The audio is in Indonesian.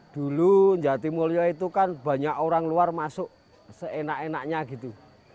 dulu jatimulyo itu kan banyak orang luar masuk seenak enaknya gitu